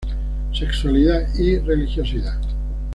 Sexualidad y religiosidad.